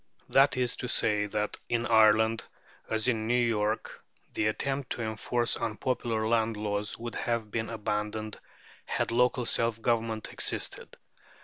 That is to say, that in Ireland as in New York the attempt to enforce unpopular land laws would have been abandoned, had local self government existed.